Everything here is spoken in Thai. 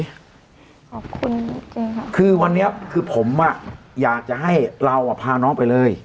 ค่ะคุณเจ๊ครับคือวันนี้ผมอะอยากจะให้เราพาน้องไปเลย